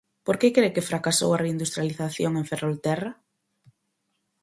Por que cre que fracasou a reindustrialización en Ferrolterra?